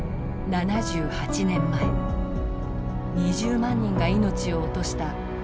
７８年前２０万人が命を落とした沖縄戦。